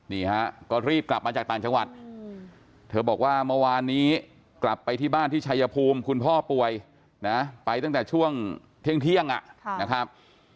นี่ฮะก็รีบกลับมาจากต่างจังหวัดเธอบอกว่าเมื่อวานนี้กลับไปที่บ้านที่ชายภูมิคุณพ่อป่วยนะไปตั้งแต่ช่วงเที่ยงนะครับ